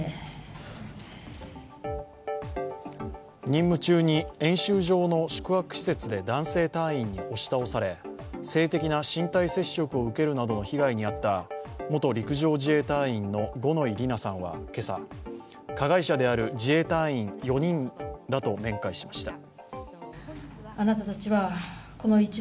任務中に演習場の宿泊施設で男性隊員に押し倒され、性的な身体接触を受けるなどの被害に遭った元陸上自衛隊員の五ノ井里奈さんは今朝、加害者である自衛隊員４人らと面会しました。